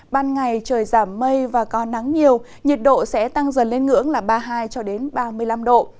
ban ngày trời giảm mây và có nắng nhiều nhiệt độ sẽ tăng dần lên ngưỡng là ba mươi hai ba mươi năm độ